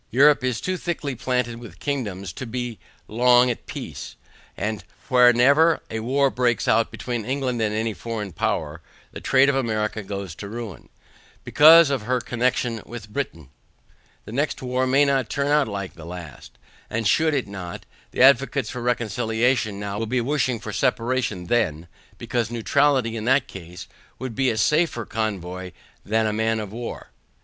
Europe is too thickly planted with kingdoms to be long at peace, and whenever a war breaks out between England and any foreign power, the trade of America goes to ruin, BECAUSE OF HER CONNECTION WITH BRITAIN. The next war may not turn out like the last, and should it not, the advocates for reconciliation now will be wishing for separation then, because, neutrality in that case, would be a safer convoy than a man of war.